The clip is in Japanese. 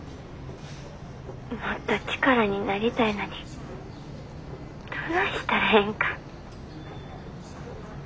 もっと力になりたいのにどないしたらええんか。